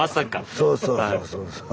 そうそうそうそう。